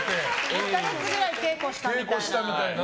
１か月くらい稽古したみたいな。